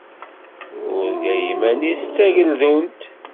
Turga iman-is d tageldunt.